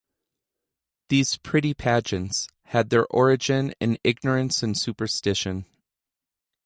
These pretty pageants had their origin in ignorance and superstition.